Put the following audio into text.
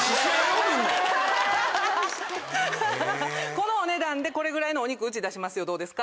このお値段でこれぐらいのお肉うち出しますよどうですか？